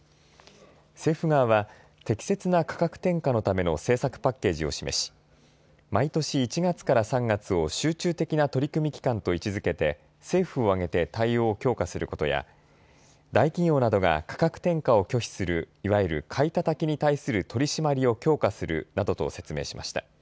政府側は適切な価格転嫁のための政策パッケージを示し毎年、１月から３月を集中的な取り組み期間と位置づけて政府を挙げて対応を強化することや大企業などが価格転嫁を拒否するいわゆる買いたたきに対する取締りを強化するなどと説明しました。